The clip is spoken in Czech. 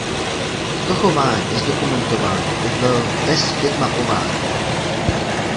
Toto chování je zdokumentováno i v „best fit“ mapování.